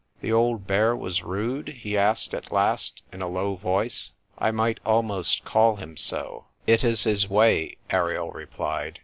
" The old bear was rude ?" he asked at last, in a low voice. "I might almost call him so." "It is his way," Ariel replied.